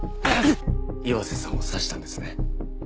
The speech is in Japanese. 岩瀬さんを刺したんですね？